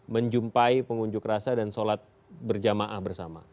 menjumpai pengunjuk rasa dan sholat berjamaah bersama